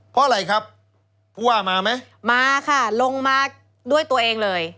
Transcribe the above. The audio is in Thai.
เพราะอะไรครับผู้ว่ามาไหมมาค่ะลงมาด้วยตัวเองเลย